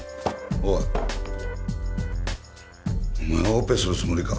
おいお前オペするつもりか？